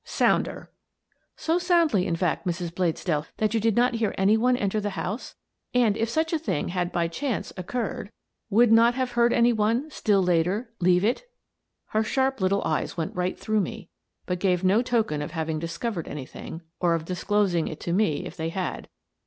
" Sounder." " So soundly, in fact, Mrs. Bladesdell, that you did not hear any one enter the house — and, if such a thing had by any chance occurred — would not have heard any one, still later, leave it? " Her sharp little eyes went right through me, but gave no token of having discovered anything, or of disclosing it to me if they had.